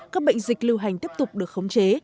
các bệnh dịch lưu hành tiếp tục được khống chế